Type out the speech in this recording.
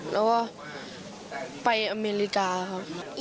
แล้วก็ไปอเมริกาครับ